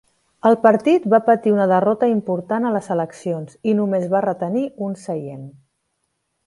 El partit va patir una derrota important a les eleccions i només va retenir un seient.